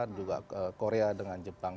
juga korea dengan jepang